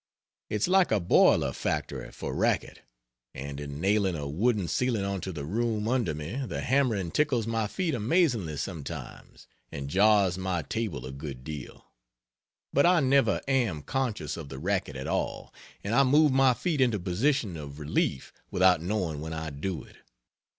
It's like a boiler factory for racket, and in nailing a wooden ceiling onto the room under me the hammering tickles my feet amazingly sometimes, and jars my table a good deal; but I never am conscious of the racket at all, and I move my feet into position of relief without knowing when I do it.